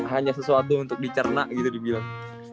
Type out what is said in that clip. hanya sesuatu untuk dicerna gitu dia bilang